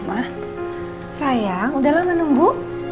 ma sayang udah lama nunggu